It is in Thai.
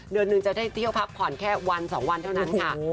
เดือนหนึ่งจะได้เที่ยวพักผ่อนแค่วัน๒วันเท่านั้นค่ะ